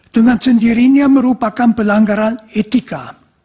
dengan sendirinya merupakan pelanggaran etika